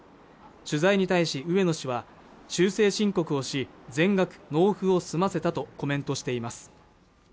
取材に対し植野氏は修正申告し全額納付を済ませたとコメントしています